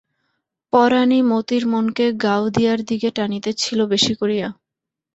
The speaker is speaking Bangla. পরাণই মতির মনকে গাওদিয়ার দিকে টানিতেছিল বেশি করিয়া।